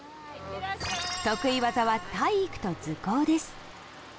得意技は体育と図工です。